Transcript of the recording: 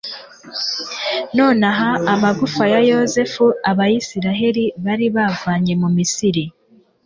naho amagufa ya yozefu abayisraheli bari bavanye mu misiri